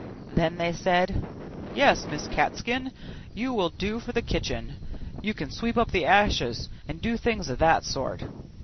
Then they said, 'Yes, Miss Cat skin, you will do for the kitchen; you can sweep up the ashes, and do things of that sort.